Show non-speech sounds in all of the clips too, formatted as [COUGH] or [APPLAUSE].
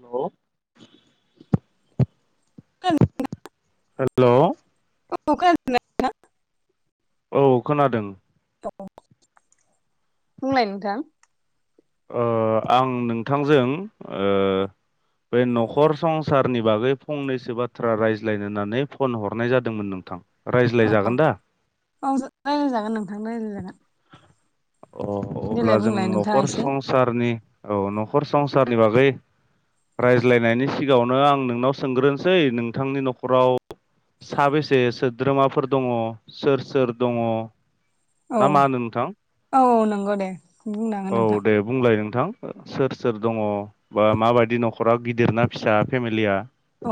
हेल' औ हेल' औ [UNINTELLIGIBLE] औ खोनादों। [UNINTELLIGIBLE] बुंलाय नोंथां ओ आं नोंथांजों ओ बे न'खर संसारनि बागै फंनैसो बाथ्रा रायज्लायनो होननानै फन हरनाय जादोंमोन नोंथां औ रायज्लायजागोन दा औ [UNINTELLIGIBLE] रायलायजागोन नोंथां रायलायजागोन औ अब्ला जों बुंलाय नोंथाङा न'खर एसे संसारनि औ न'खर संसारनि बागै रायज्लायनायनि सिगाङावनो आं नोंनाव सोंग्रोनसै नोंथांनि न'खराव साबेसे सोद्रोमाफोर दङ सोर सोर दङ? औ ना मा होनो नोंथां औ औ नंगौ दे। बुंनो हागोन औ नोंथां दे। बुंलाय नोंथां सोर सोर दङ बा माबायदि न'खरा गिदिर ना फिसा फेमिलिया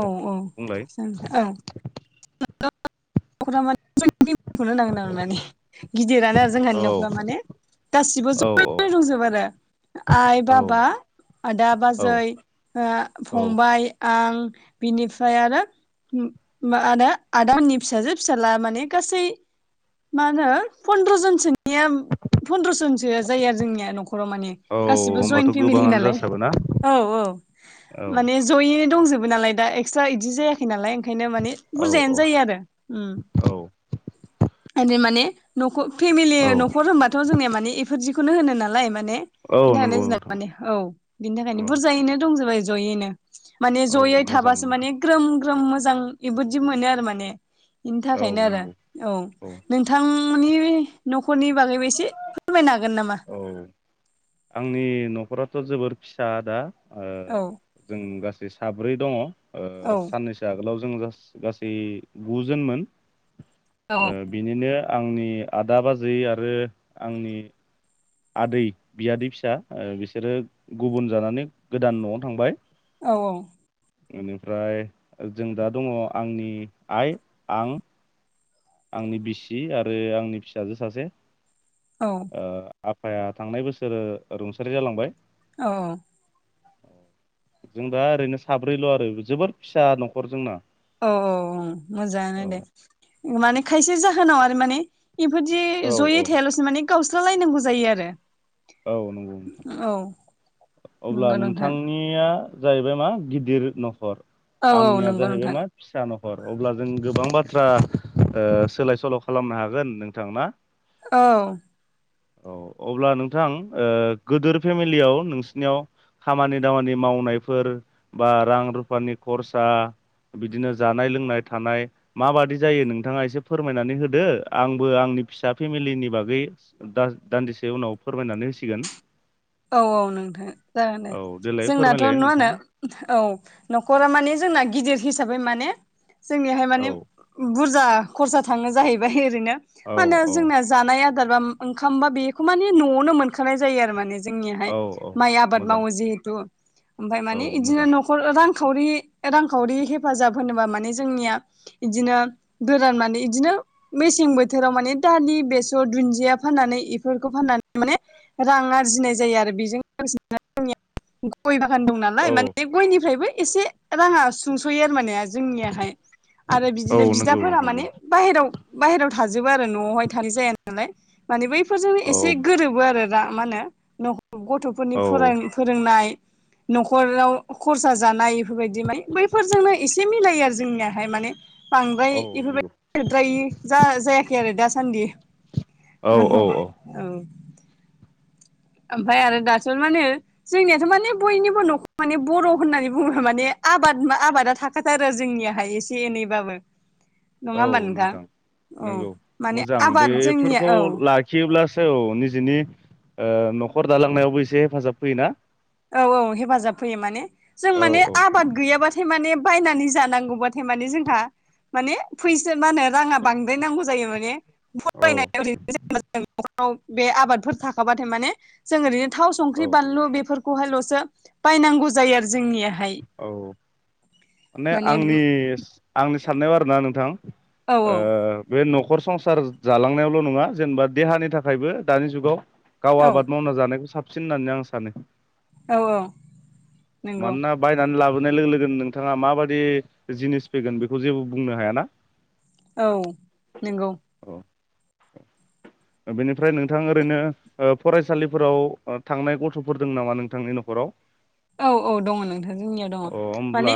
दे औ ओ बुंलाय अेखौ होनांगोना ने गिदिरानो आरो जोंहानि औ न'खरा माने गासिबो औ ज' दंजोबो आरो आइ, औ बाबा आदा औ बाजै ओ औ फंबाय आं बिनिफ्राय आरो उम मा आदा आदा आंनि फिसाजो फिसाला माने गासै मा होनो फन्द्र' जोन सोनि [UNINTELLIGIBLE] फन्द्र' जनसो जायो आरो जोंनिया न'खराव माने औ गासिबो जयेन होमबाथ' फेमिलि गोबाङानो नालाय जासाबो ना औ औ औ जयैनो दंजोबो नालाय दा एक्सट्रा इदि जायाखै नालाय ओंखायनो माने औ बुरजायानो औ जायो आरो उम औ ओरै माने नख' फेमिलि औ न'खर होनबा थ' जोंनिया माने इफोर दिखौनो होनो नालाय माने औ बिनि थाखायनो नंगौ जों नोंथां माने औ बिनि थाखायनो औ बुरजायैनो दंजोबो जयैनो माने औ जयै मोजां थाबासो माने ग्रोम ग्रोम मोजां बेबोदि मोनो आरो माने इनि औ थाखायनो आरो नंगौ औ नों थांमोननि न'खरनि बागैबो एसे फोरमायनो हागोन नामा औ आंनि न'खराथ' जोबोर फिसा दा ओ औ जों गासै साब्रै दङ' ओ औ साननैसो आगोलाव जों जास गासै गुजोनमोन औ ओ बि निनो आंनि आदा बाजै आरो आंनि आदै बियादै फिसा ओ बिसोरो गुबुन जानानै गोदान न'आव थांबाय औ औ एनिफ्राय जों दा दङ' आंनि आइ आं आंनि बिसि आरो आंनि फिसाजो सासे औ ओ आफाया थांनाय बोसोर रुंसारि जालांबाय औ जों दा ओरैनो साब्रैल' आरो जोबोद फिसा न'खर जोंना औ औ ओं मोजाङानो औ दे माने खायसे जाहोनाव आरो माने इफोरदि औ औ जयै थायालासिनो माने गावस्रा लायनांगौ जायो आरो औ नंगौ औ नोंथां अब्ला नोंथां निया जाहैबाय मा गिदिर न'खर औ औ आंनिया नंगौ जाहैबाय नोंथां मा फिसा न'खर अब्ला जों गोबां बाथ्रा ओ सोलाय सोल' खालामनो हागोन नोंथां ना औ औ अब्ला नोंथां ओ गोदोर फेमिलियाव नोंसिनियाव खामानि दामानि मावनायफोर बा रां रुफानि खरसा बिदिनो जानाय लोंनाय थानाय माबादि जायो नोंथाङा एसे फोरमायनानै होदो आंबो आंनि फिसा फेमिलिनि बागै दा - दान्दिसे उनाव फोरमायनानै होसिगोन औ औ नोंथां जागोन दे औ देलाय जोंनाथ' फोरमायलाय नुवा नोंथां होनो औ न'खरा माने जोंना गिदिर हिसाबै माने जोंनिहाय औ माने बुरजा खरसा थाङो जाहैबाय ओरैनो औ मानो औ जोंना जानाय आदार बा ओंखाम बा बेखौ माने न'आवनो मोनखानाय जायो आरो माने औ जोंनिहाय औ माइ आबाद मोजां मावो जिहेतु ओमफाय औ माने बिदिनो मोजां न'खर रांखावरि-रांखावरि हेफाजाब होनोबा माने जोंनिया इदिनो गोरान माने इदिनो मेसें बोथोराव माने दालि बेसर दुन्दिया फाननानै इफोरखौ फाननानै माने रां आरजिनाय जायो आरो बेजों [UNINTELLIGIBLE] गय बागान दं नालाय औ माने गयनिफ्रायबो एसे राङा सुंस'यो आरो माने जोंनियाहाय आरो औ बिदिनो नंगौ बिदाफोरा नंगौ माने बाहेरायाव-बाहेरायाव थाजोबो आरो न'आवहाय थानाय जाया। नालाय माने बैफोरजों एसे औ गोरोबो आरो दा माहोनो गथ'फोरनि औ फराय फोरोंनाय न'खराव खरसा जानाय बेफोरबायदि माने बैफोरजोंनो एसे मिलायो आरो जोंनियाहाय माने' बांद्राय औ नंगौ बेफोरबायदि थोद्रायि जा-जायाखै आरो दासान्दि औ औ नोंगौ औ। ओमफ्राय आरो दाथ' माने जोंनियाथ' माने बयनिबो न'खराव माने बर' होननानै बुङोब्ला माने आबादा-आबादा था खाथारो जोंनियाहाय एसे एनैबाबो। नङा औ होमबा नोंथां औ नंगौ माने मोजां आबाद जोंनिया बेफोरखौ औ लाखि खियोब्लासो औ निजिनि न'खर दालांनायावबो एसे हेफाजाब होयोना। औ-औ हेफाजाब होैयो माने जों माने औ आबाद गैयाब्ला माने बायनानै जानांगौबथाय माने जोंहा माने फै रांङा बांद्राय नांगौ जायो माने औ फरायनायाव बा न'खराव बे आबादफोर थाखाबाथाय माने जों ओरैनो थाव संख्रि औ बानलु बेफोरखौ खौहायल'सो बायनांगौ जायो आरो जोंनिया औ माने आंनि-आंनि साननायाव आरोना नोंथां। औ औ ओ बे न'खर संसार जालांनायावल' नङा जेनेबा देहानि थाखायबो दानि जुगाव गाव औ आबाद मावना जानायखौ साबसिन होननानै आं सानो। औ-औ नोंगौ। मानोना बायनानै लाबोनाय लोगो-लोगोनो नोंथाङा माबायदि जिनिस फैगोन बेखौ जेबो बुंनो हायाना। [INAUDIBLE] औ नोंगौ। औ बेनिफ्राय नोंथां ओरैनो। ओ फरायसालिफोराव थांनाय गथ'फोर दं नामा नोंथांनि न'खराव। औ-औ दङ नों अ होमब्ला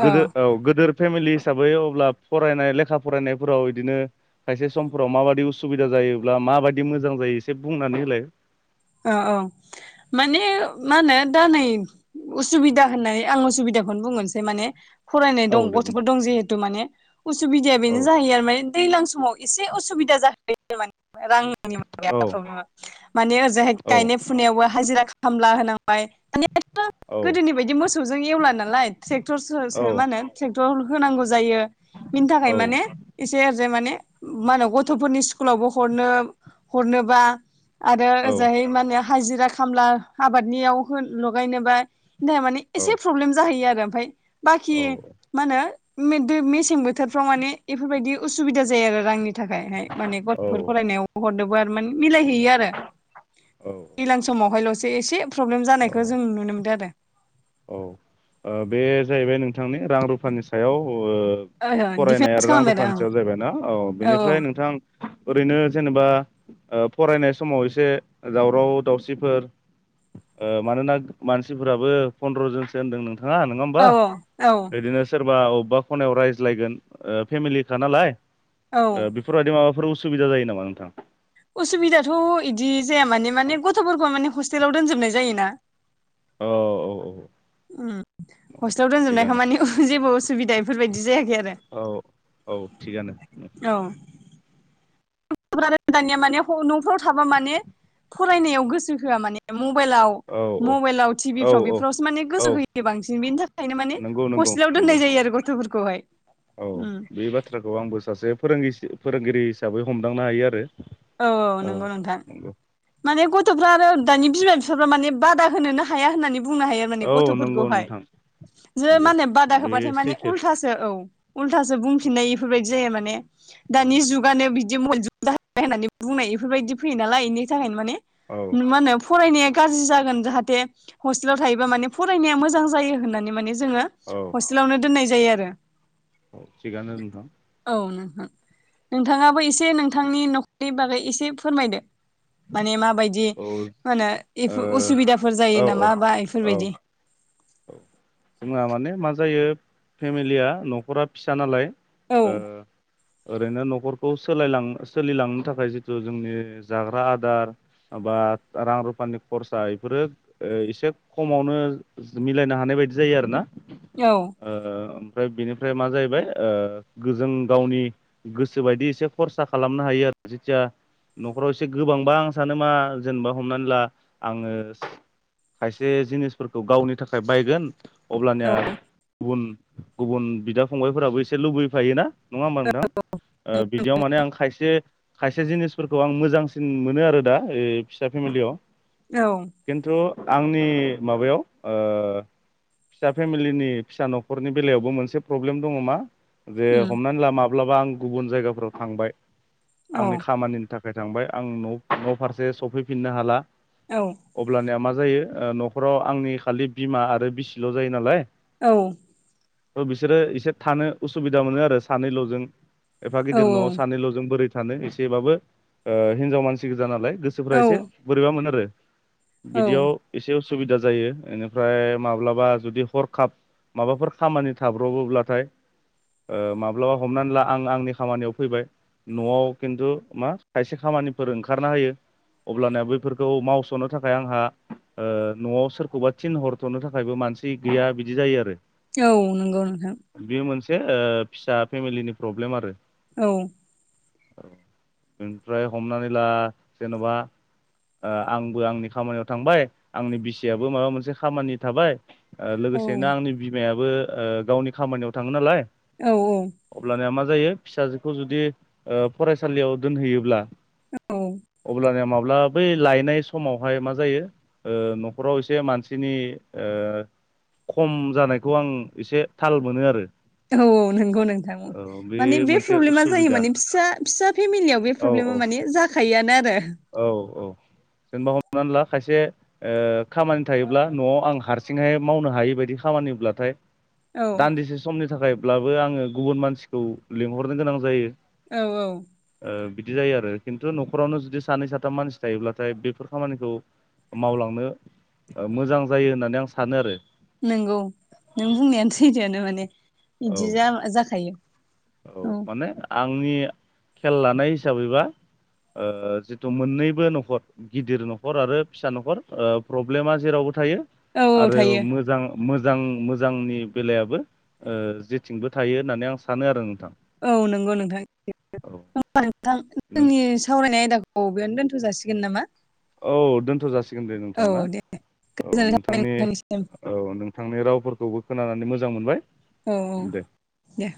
गोदो औ गोदोर फेमिलि हिसाबै अब्ला फरायनाय लेखा फरायनायफोराव बिदिनो खायसे समफोराव माबायदि उसुबिदा जायोब्ला माबायदि मोजां जायो एसे बुंनानै होलाय। औ-औ माने मा होनो दा नै उसुबिदा होननानै आं उसुबिदाखौनो बुंग्रोनोसै माने फरायनाय औ दं दे बुं गथ'फोर दं जिहेथु माने उसुबिदाया औ बेनो जाहैयो आरो माने दैलां समाव एसे उसुबिदा जाहैयो। माने रां औ माने औ ओजोंहाय फुनायावबो हाजिरा खामला होनांबाय माने औ गोदोनि बायदि मोसौजों एवला नालाय औ ट्रेक्टरसो मा होनो। ट्रेक्टर होनांगौ जायो बिनि थाखाय औ माने एसे आरैजाय माने माहोनो गथ'फोरनि स्कुलावबो हरनो हरनोबा आरो औ जाहै माने हाजिरा खामला आबादनियाव होन लगायनोबा मानि एसे प्रब्लेम जाहैयो आरो ओमफफ्राय बाखि मा होनो मेदे मेसें बोथोरफ्राव माने इफोरबायदि उसुबिदा जायो आरो रांनि थाखायहाय। माने औ गथ'फोर फरायनायाव हरनोबो आरो माने मिलायहैयो आरो। औ। दैलां समावहायल'सो एसे प्रब्लेम औ जानायखौ जों नुनो मोनदों आरो। औ ओ बे जाहैबाय नोंथांनि रां रुफानि सायाव ओ ओहो फरायनाय दिफेन्स आरो आं खालामबायदा रुपानसेयाव जाहैबाय ना औ बेनिफ्राय नोंथां ओरैनो जेनेबा ओ फरायनाय समाव एसे दावराव-दावसिफोर ओ मानोना मानसिफोराबो फन्द्र'जोनसो होन्दों नोंथाङा नङा होमबा औ औ बिदिनो। सोरबा अबेबा खनायाव रायज्लायगोन ओ फेमिलिखा नालाय औ ओ बेफोरबायदि माबाफोर उसुबिदा जायो नामा नोंथां? उसुबिदाथ' इदि जाया माने माने गथ'फोरखौ माने हस्टेलाव दोनजोबनाय जायो ना। औ औ औ। ओम हस्टेलाव दोनजोबनायखाय थिगानो माने ओ जेबो असुबिदा इफोरबायदि जायाखै आरो। औ औ थिगानो नो। औ। ओम गथ' फोरानो दानिया माने न'फ्राव थाबा माने फरायनायाव गोसो होआ माने मबेइलाव औ औ मबेइलाव, औ टिभिफफ्राव औ बेफोरावसो माने गोसो औ होयो बांसिन बेनि थाखायनो माने नंगौ नंगौ हस्टेलाव दोननाय नंगौ जायो आरो गथ'फोरखौहाय। औ उम बे बाथ्राखौ आंबो सासे फोरोंगिसि फोरोंगिरि हिसाबै हमदांनो हायो आरो। औ औ नंगौ नोंथां। नंगौ माने गथ'फ्रा आरो दानि बिमा-बिफाफ्रा माने बादा होनोनो हाया होननानै बुंनो हायो। माने औ नंगौ गथ'फोरखौहाय नोंथां जोंङो नंगौ माने बादा बे होबाथाय माने सैथो उल्थासो। औ उल्थासो बुंफिननाय इफोरबायदि जाया माने औ दानि जुगानो बिदि मुलजुग जा नाय होननानै बुंनाय इफोरबायदि फैयो नालाय इनि थाखायनो माने औ। नुमानो फरायनाया गाज्रि जागोन जाहाथे हस्टेलाव थायोबा माने फरायनाया मोजां जायो होननानै माने जोङो औ हस्टेलावनो दोननाय जायो आरो। अ' थिगानो नोंथां। औ नों नोंथाङाबो एसे नोंथांनि न' बे बागै एसे फोरमायदो माने माब बायदि औ ओ माहोनो उसुबिदाफोर औ जायो औ नामा बा इफोरबायदि। औ जोंहा माने मा जायो फेमिलिया न'खरा फिसा नालाय औ ओ ओरैनो न'खरखौ सोलायलां सोलिलांनो थाखाय जिहेथु जोंनि जाग्रा आदार। आबाद, रां-रुफानि खरसा इफोरो एसे खमावनो जो मिलायनो हानाय बायदि जायो आरो ना। औ। ओ ओमफ्राय बेनिफ्राय मा जाहैबाय ओ गोजों गावनि। गोसो बायदि एसे खरसा खालामनो हायो आरो जिथिया। न'खराव एसे गोबांबा आं सानो मा जेनेबा हमनानै ला आङोस खायसे जिनिसफोरखौ गावनि थाखाय बायगोन। अब्लानिया औ गुबुन गुबुन बिदा फंबायफोराबो एसे लुबैफायोना। नङा होमबा नोंथां ओ बिदियाव माने आं खायसे खायसे जिनिसफोरखौ आं मोजां सिन मोनो आरो दा फिसा फेमिलियाव। औ। खेन्थु आंनि माबायाव ओ फिसा फेमिलिनि फिसा न'खरनि बेलायावबो मोनसे प्रब्लेम दङ मा जे उम हमनानै लामा अब्लाबा आं गुबुन जायगाफोराव थांबाय औ आंनि खामानिनि थाखाय थांबाय आं न न' फारसे सफैफिननो हाला। औ अब्लानिया मा जायो न'खराव आंनि खालि बिमा आरो बिसिल' जायो नालाय औ थ' बिसोरो एसे थानो उसुबिदा मोनो आरो सानैल'जों। एफा गिदिर न'आव औ सानैल'जों बोरै थानो एसेबाबो ओ हिनजाव मानसि गोजा नालाय। गोसोफ्रा औ एसे बोरैब मोन आरो बिदियाव औ एसे उसुबिदा जायो बेनिफ्राय माब्ला बा जुदि हरखाब माबाफोर खामानि थाब्र'बोब्लाथाय माब्लाबा हमनानै ला आं आंनि खामानियाव फैबाय न'आव खिन्थु मा खायसे खामानिफोर ओंखारना होयो अब्लाना बैफोरखौ मावस'नो थाखाय आंहा ओ न'आव सोरखौबा थिन हरथ'नो था खायबो मानसि गैया बिदि जायो आरो। औ नोंगौ नोंथां। बेयो मोनसे फिसा फेमिलिनि प्रब्लेम आरो औ औ बेनिफ्राय हमनानै ला जेन'बा ओ आंबो आंनि खामानियाव थांबाय आंनि बिसियाबो माबा मोनसे खामानि थाबाय ओ औ लोगोसेनो आंनि बिमायाबो ओ गावनि खामानियाव थाङो नालाय औ औ अब्लानिया मा जायो फिसाजोखौ जुदि फरायसालियाव दोनहैयोब्ला औ अब्लानिया माब्ला बै लायनाय समावहाय मा जायो न'खराव एसे मानसिनि ओ खम जानायखौ आं एसे थाल मोनो आरो। औ औ नोंगौ नोंथां। औ माने बे मोनसे प्रब्लेमा जायो उसुबिदा माने फिसा, फिसा फेमिलियाव बे औ औ प्रब्लेमा माने जाखायोआनो आरो। औ औ जेनेबा हमनानै ला खायसे खामानि ओ थायोब्ला न'आव आं हारसिंहाय मावनो हायै बायदि खामानिब्लाथाय औ दान्दिसे समनि थाखायब्लाबो आङो गुबुन मानसिखौ लिंहरनो गोनां जायो। औ औ ओ बिदि जायो आरो। खिन्थु न'खरावनो जुदि सानै साथाम मानसि थायोब्लाथाय बेफोर खामानिखौ मावलांनो मोजां जायो होननानै आं सानो आरो। नंगौ नों बुंनायानो सैथोआनो माने बिदि औ जाखायो। औ माने आंनि खेल लानाय हिसाबैबा ओ जिथु मोननैबो न'खर गिदिर न'खर आरो फिसा न'खर ओ प्रब्लेमा जेरावबो थायो औ औ आरो थायो मोजां मोजां मोजांनि बेलायाबो जेथिंबो थायो होननानै आं सानो आरो नोंथां। औ नोंगौ नोंथां औ नोंथां नों जोंनि सावरायनाय आयदाखौ औ बेयावनो दोनथ' जासिगोन नामा औ दोनथ' जासिगोन दे नोंथां औ ना? दे औ गोजोननाय थाबाय नोंथांनि नोंथांनिसिम औ नोंथांनि रावफोरखौबो खोनानानै मोजां मोनबाय औ औ दे दे।